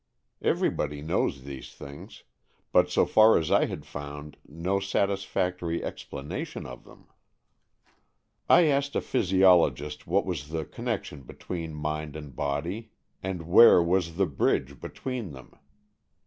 Everybody knows these things, but so far I had found no satis factory explanation of them. I asked a physiologist what was the con nection between mind and body, and where 28 AN EXCHANGE OF SOULS was the bridge between them.